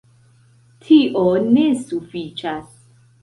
Tio ne sufiĉas.